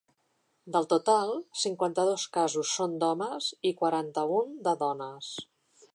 Del total, cinquanta-dos casos són d’homes i quaranta-un de dones.